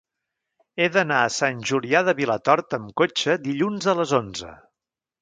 He d'anar a Sant Julià de Vilatorta amb cotxe dilluns a les onze.